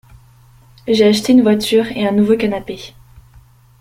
J’ai acheté une voiture et un nouveau canapé.